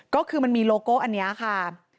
ก็คือมันมีโลโก้อันนี้ค่ะ